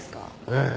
ええ。